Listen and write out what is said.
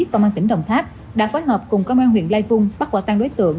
công an tỉnh đồng tháp đã phối hợp cùng công an huyện lai vung bắt bỏ tan đối tượng